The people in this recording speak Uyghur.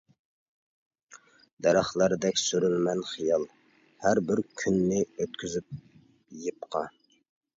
دەرەخلەردەك سۈرىمەن خىيال، ھەر بىر كۈننى ئۆتكۈزۈپ يىپقا.